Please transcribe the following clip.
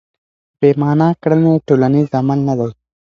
بې مانا کړنې ټولنیز عمل نه دی.